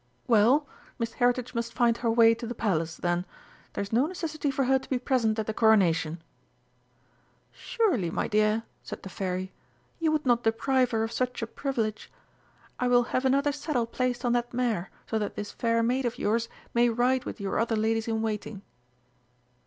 "Well, Miss Heritage must find her way to the Palace, then! There's no necessity for her to be present at the Coronation." "Surely, my dear," said the Fairy, "you would not deprive her of such a privilege! I will have another saddle placed on that mare so that this fair maid of yours may ride with your other ladies in waiting."